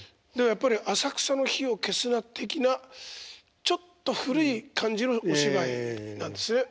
やっぱり「浅草の灯を消すな」的なちょっと古い感じのお芝居なんですね